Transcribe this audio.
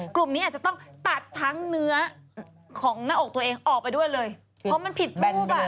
กลุ่มนี้อาจจะต้องตัดทั้งเนื้อของหน้าอกตัวเองออกไปด้วยเลยเพราะมันผิดรูปอ่ะ